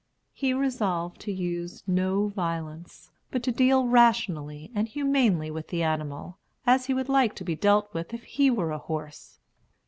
He resolved to use no violence, but to deal rationally and humanely with the animal, as he would like to be dealt with if he were a horse.